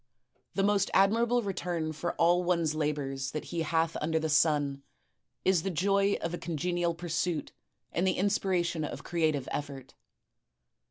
The most admira ble return for all one's labors that he hath imder the sun, is the joy of a congenial pursuit and the inspiration of creative efifort.